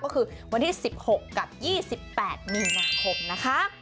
ก็คือวันที่๑๖กับ๒๘มีนาคมนะคะ